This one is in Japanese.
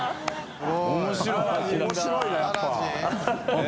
面白い